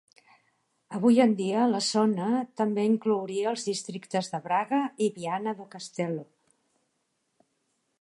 Avui en dia, la zona també inclouria els districtes de Braga i Viana do Castelo.